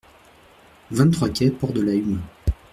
vingt-trois quai Port de la Hume